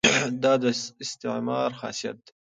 دا د استعمار خاصیت دی.